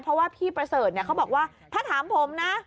เพราะว่าพี่ประเสริฐเขาบอกว่าถ้าถามผมนะ